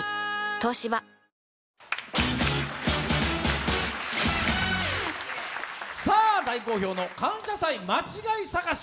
東芝大好評の感謝祭間違い探し